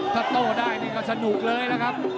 ถ้าโต้ได้นี่ก็สนุกเลยนะครับ